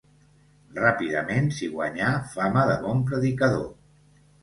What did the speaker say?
Ràpidament, s'hi guanyà fama de bon predicador.